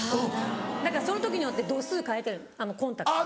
だからその時によって度数変えてるコンタクトの。